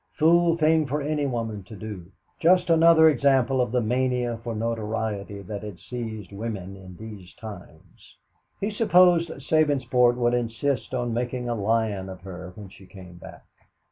Fool thing for any woman to do just another example of the mania for notoriety that had seized women in these times. He supposed Sabinsport would insist on making a lion of her when she came back.